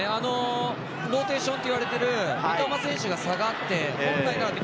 ローテーションといわれている三笘選手が下がって、本来なら。